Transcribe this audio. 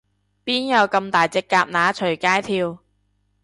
邊有噉大隻蛤乸隨街跳